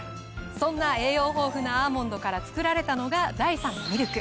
そんな栄養豊富なアーモンドから作られたのが。